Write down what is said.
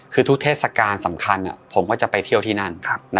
คือทุกเทศกาลสำคัญผมก็จะไปเที่ยวที่นั่น